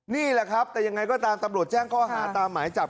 นี่แหละครับแต่ยังไงก็ตามตำรวจแจ้งข้อหาตามหมายจับ